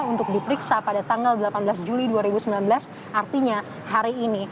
untuk diperiksa pada tanggal delapan belas juli dua ribu sembilan belas artinya hari ini